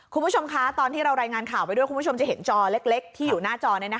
คุณผู้ชมคะตอนที่เรารายงานข่าวไปด้วยคุณผู้ชมจะเห็นจอเล็กที่อยู่หน้าจอ